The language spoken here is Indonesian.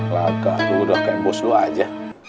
lah kak lu udah kaya bos lu aja